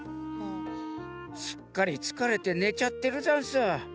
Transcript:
すっかりつかれてねちゃってるざんす。